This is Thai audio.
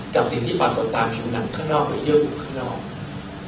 กับสิ่งที่ฝากกดตามอยู่นั่งข้างนอกไหร่ยืมข้างนอก